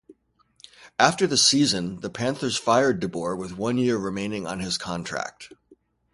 After the season, the Panthers fired DeBoer with one year remaining on his contract.